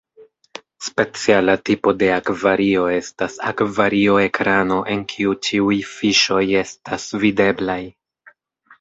Speciala tipo de akvario estas akvario-ekrano en kiu ĉiuj fiŝoj estas videblaj.